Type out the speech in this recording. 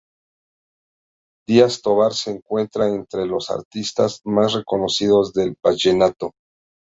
Díaz tovar se encuentra entre los artistas más reconocidos del vallenato.